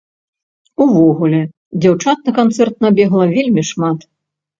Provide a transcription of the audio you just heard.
Увогуле, дзяўчат на канцэрт набегла вельмі шмат.